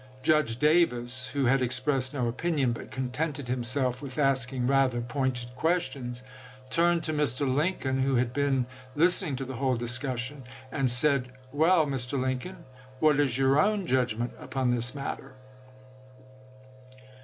Judge Davis, who had expressed no opinion, but contented himself with asking rather pointed questions, turned to Mr. Lincoln, who had been listening to the whole discussion, and said :" Well, Mr. Lincoln, what is your own judgment upon this matter